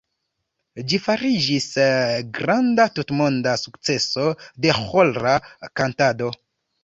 Ĝi fariĝis granda tutmonda sukceso de ĥora kantado.